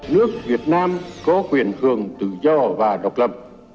nước việt nam có quyền hưởng tự do và độc lập